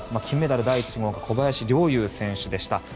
金メダル第１号が小林陵侑選手でした。